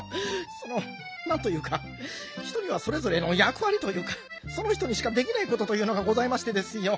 そのなんというか人にはそれぞれのやくわりというかその人にしかできないことというのがございましてですよ